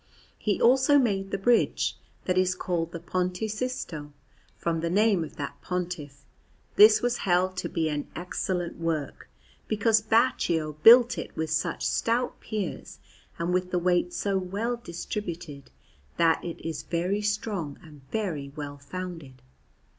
He also made the bridge that is called the Ponte Sisto, from the name of that Pontiff; this was held to be an excellent work, because Baccio built it with such stout piers and with the weight so well distributed, that it is very strong and very well founded.